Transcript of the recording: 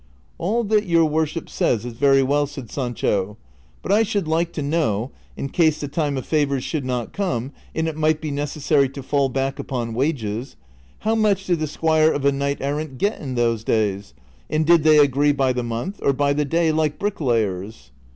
" All that your worship says is very well," said Sancho, " but I should like to know (in case the time of favors shoiild not come, and it might be necessary to fall back upon wages) how much did the squire of a knight errant get in those days, and did they agree by the month, or by the day like bricklayers